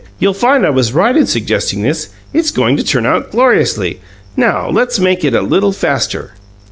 You'll find I was right in suggesting this. It's going to turn out gloriously! Now, let's make it a little faster."